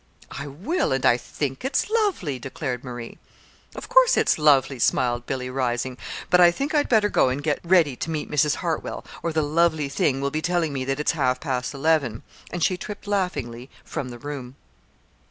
"I will and I think it's lovely," declared Marie. "Of course it's lovely," smiled Billy, rising; "but I fancy I'd better go and get ready to meet Mrs. Hartwell, or the 'lovely' thing will be telling me that it's half past eleven!" And she tripped laughingly from the room.